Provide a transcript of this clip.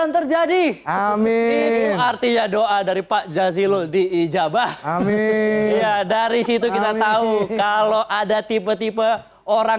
terjadi amin arti doa dari pak jazilu di ijabah amir jadari situ kita tahu kalau ada tipe tipe orang